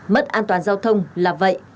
mất an toàn giao thông là vậy